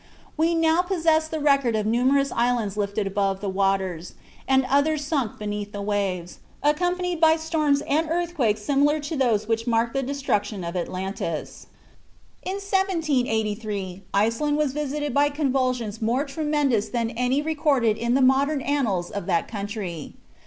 We now possess the record of numerous islands lifted above the waters, and others sunk beneath the waves, accompanied by storms and earthquakes similar to those which marked the destruction of Atlantis. In 1783 Iceland was visited by convulsions more tremendous than any recorded in the modern annals of that country.